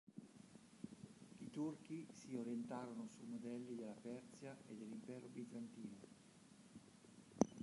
I turchi si orientarono su modelli della Persia e dell'Impero bizantino.